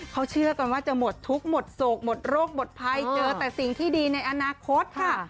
เขาเชื่อกันว่าจะหมดทุกข์หมดโศกหมดโรคหมดภัยเจอแต่สิ่งที่ดีในอนาคตค่ะ